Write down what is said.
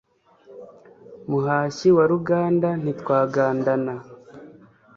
Muhashyi wa Ruganda ntitwagandana